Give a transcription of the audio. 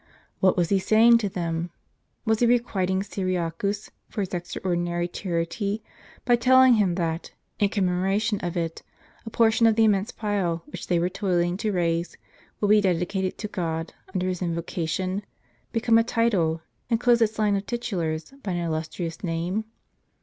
What was he saying to them ? Was he requiting Cyriacus for his extraor dinary charity, by telling him that, in commemoration of it, a portion of the immense pile which they were toiling to raise, would be dedicated to God, under his invocation, become a title, and close its line of titulars by an illustrious name